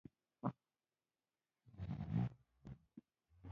زیات انځورونه یې واخیستل.